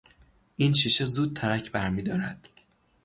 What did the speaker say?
این شیشه زود ترک برمیدارد.